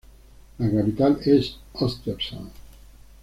La capital es Östersund.